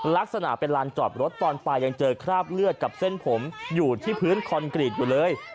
ลักษณะเป็นลานจอดรถตอนไปยังเจอคราบเลือดกับเส้นผมอยู่ที่พื้นคอนกรีตอยู่เลย